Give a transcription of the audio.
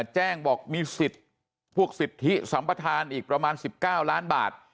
แจ้งบอกมีสิทธิ์พวกสิทธิสัมประธานอีกประมาณ๑๙ล้านบาท